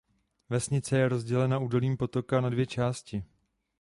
Vesnice je rozdělena údolím potoka na dvě části.